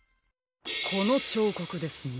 このちょうこくですね。